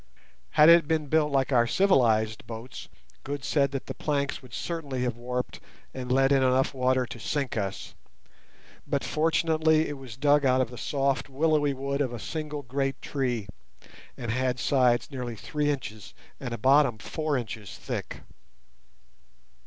Had it been built like our civilized boats, Good said that the planks would certainly have warped and let in enough water to sink us; but fortunately it was dug out of the soft, willowy wood of a single great tree, and had sides nearly three inches and a bottom four inches thick.